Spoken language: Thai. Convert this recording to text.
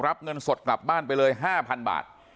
รับเงินสดกลับบ้านไปเลย๕๐๐บาท